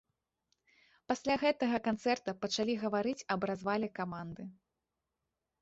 Пасля гэтага канцэрта пачалі гаварыць аб развале каманды.